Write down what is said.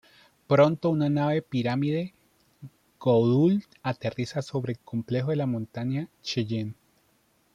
Pronto, una nave pirámide Goa'uld aterriza sobre el Complejo de la Montaña Cheyenne.